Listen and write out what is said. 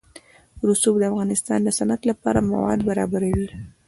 رسوب د افغانستان د صنعت لپاره مواد برابروي.